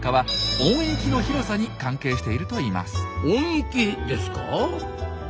音域ですか？